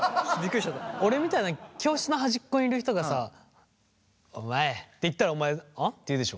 俺みたいな教室の端っこにいる人がさ「お前」って言ったら「お前？あ」って言うでしょ。